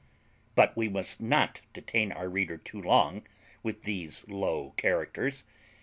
But we must not detain our reader too long with these low characters.